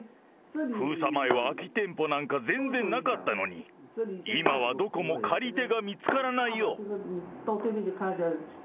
封鎖前は空き店舗なんか全然なかったのに、今はどこも借り手が見つからないよ。